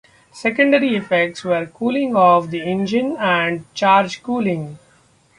Secondary effects were cooling of the engine and charge cooling.